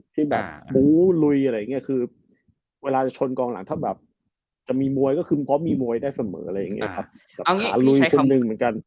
ที่แบบภูลุยอะไรอย่างเงี้ยคือเวลาจะชนกองหลังถ้าแบบจะมีมวยก็คือเพราะมีมวยได้เสมออะไรอย่างเงี้ยครับ